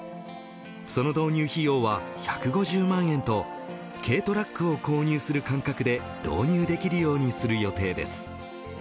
その導入費用は１５０万円と軽トラックを購入する感覚で導入できるようにする予定です。